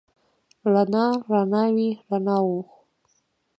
رڼا، رڼاوې، رڼاوو